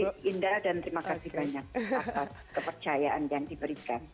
ibu indra dan terima kasih banyak atas kepercayaan yang diberikan